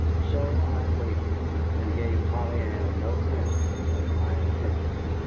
So I waited, and gave Polly Ann no hint of my intention.